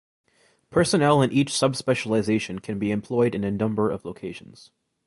Personnel in each sub-specialisation can be employed in a number of locations.